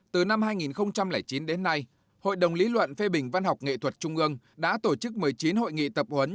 từ năm hai nghìn chín đến nay hội đồng lý luận phê bình văn học nghệ thuật trung ương đã tổ chức một mươi chín hội nghị tập huấn